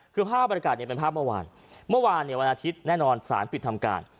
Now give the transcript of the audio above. คือภาพประกันเป็นภาพเมื่อวานเมื่อวานวันอาทิตย์แน่นอนสารปิดทำการ